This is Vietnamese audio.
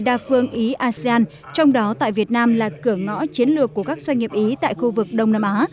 đa phương ý asean trong đó tại việt nam là cửa ngõ chiến lược của các doanh nghiệp ý tại khu vực đông nam á